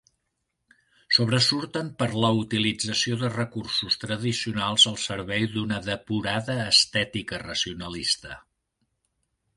Sobresurten per la utilització de recursos tradicionals al servei d'una depurada estètica racionalista.